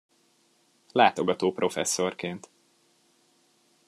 Látogató professzorként.